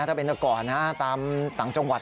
ถ้าเป็นตอนก่อนนะตามถังจังหวัด